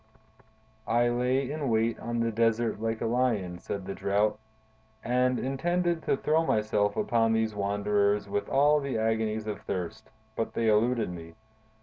"I lay in wait on the desert like a lion," said the Drought, "and intended to throw myself upon these wanderers with all the agonies of thirst, but they eluded me.